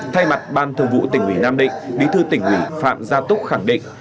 thay mặt ban thường vụ tỉnh ủy nam định bí thư tỉnh ủy phạm gia túc khẳng định